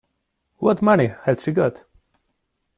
What money has she got?